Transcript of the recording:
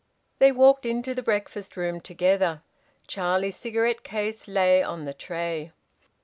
They walked into the breakfast room together. Charlie's cigarette case lay on the tray.